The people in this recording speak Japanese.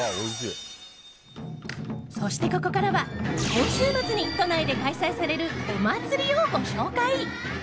そして、ここからは今週末に都内で開催されるお祭りをご紹介！